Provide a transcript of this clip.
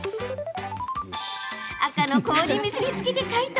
赤の氷水につけて解凍。